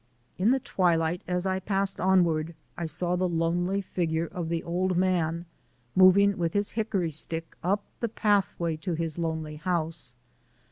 In the twilight as I passed onward I saw the lonely figure of the old man moving with his hickory stick up the pathway to his lonely house.